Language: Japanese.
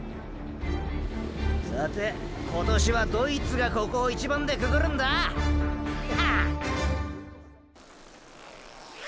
さて今年はどいつがここを一番でくぐるんだ⁉ハ！！